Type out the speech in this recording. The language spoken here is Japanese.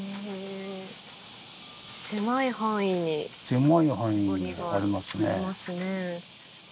狭い範囲にありますね。